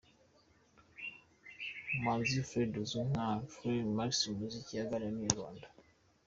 Manzi Fred uzwi nka Trey Max mu muziki, aganira na Inyarwanda.